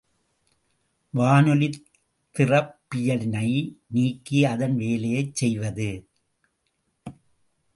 வானொலித் திறப்பியினை நீக்கி அதன் வேலையைச் செய்வது.